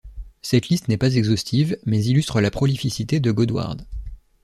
Cette liste n'est pas exhaustive mais illustre la prolificité de Godward.